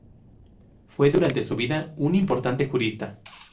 Fue durante su vida un importante jurista.